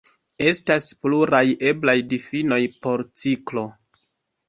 Estas pluraj eblaj difinoj por ciklo.